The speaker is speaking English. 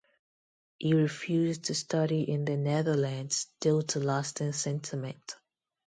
He refused to study in the Netherlands due to lasting sentiment.